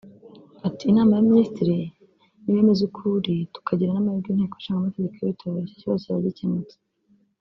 Ati “Inama y’abaminisitiri niwemeza uko uri tukagira n’amahirwe inteko ishinga amategeko ikabitora icyo kibazo kizaba gikemutse